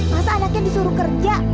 masa anaknya disuruh kerja